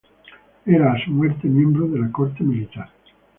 Era, a su muerte, miembro de la Corte Militar.